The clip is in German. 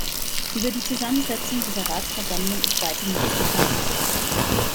Über die Zusammensetzung dieser Ratsversammlung ist weiter nichts bekannt.